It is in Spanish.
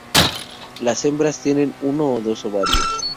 Las hembras tienen uno o dos ovarios.